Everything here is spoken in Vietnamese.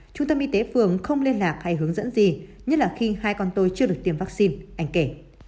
trung tâm y tế phường không liên lạc hay hướng dẫn gì nhất là khi hai con tôi chưa được tiêm vaccine ảnh kể